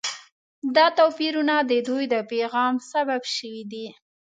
دا توپیرونه د دوی د پیغام سبب شوي دي.